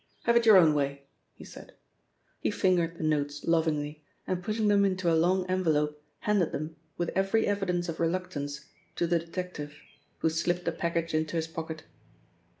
Have it your own way," he said. He fingered the notes lovingly, and putting them into a long envelope, handed them, with every evidence of reluctance, to the detective, who slipped the package into his pocket.